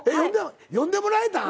呼んでもらえたん？